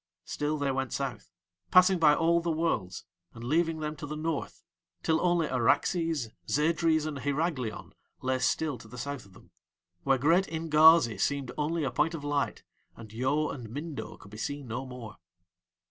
Still they went South, passing by all the Worlds and leaving them to the North, till only Araxes, Zadres, and Hyraglion lay still to the South of them, where great Ingazi seemed only a point of light, and Yo and Mindo could be seen no more.